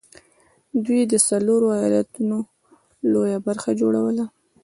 دوی د څلورو ايالتونو لويه برخه جوړوله